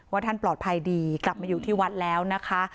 ท่านปลอดภัยดีกลับมาอยู่ที่วัดแล้วนะคะ